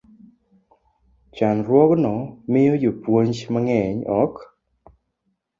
Chandruogno miyo jopuonj mang'eny ok